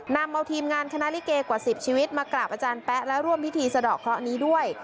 นำเอาทีมงานคณะลิเกกว่า๑๐ชีวิตมากราบอาจารย์แป๊ะและร่วมพิธีสะดอกเคราะห์นี้ด้วย